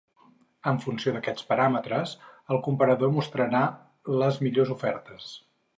En funció d'aquests paràmetres, el comparador mostrarà les millors ofertes.